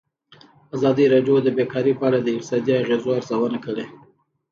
ازادي راډیو د بیکاري په اړه د اقتصادي اغېزو ارزونه کړې.